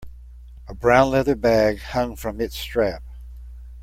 A brown leather bag hung from its strap.